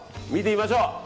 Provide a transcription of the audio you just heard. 見てみましょう。